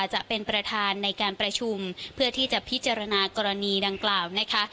จะเป็นประธานในการประชุมเพื่อที่จะพิจารณากรณีดังกล่าวนะคะ